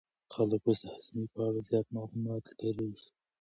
خلک اوس د هاضمې په اړه زیات معلومات لولي.